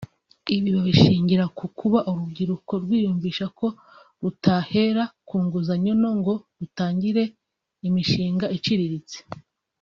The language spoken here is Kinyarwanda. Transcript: ibi babishingira ku kuba urubyiruko rwiyumvisha ko rutahera ku nguzanyo nto ngo rutangire imishinga iciriritse